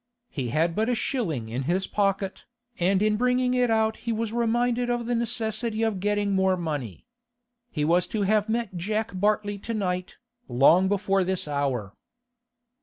He had but a shilling in his pocket, and in bringing it out he was reminded of the necessity of getting more money. He was to have met Jack Bartley to night, long before this hour.